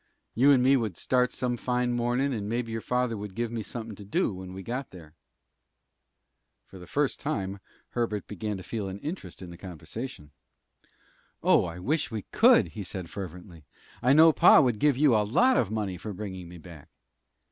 You and me would start some fine mornin', and mebbe your father would give me something to do when we got there." For the first time Herbert began to feel an interest in the conversation. "Oh, I wish we could," he said, fervently. "I know pa would give you a lot of money for bringing me back."